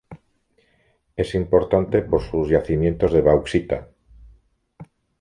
Es importante por sus yacimientos de bauxita.